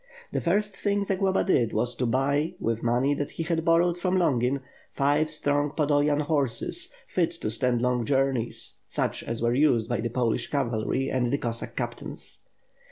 The first thing Zagloba did was to buy, with money that he had borrowed from Longin, five strong Podolian horses, fit to stand long journeys; such as were used by the Polish cavalry and the Cossack captains.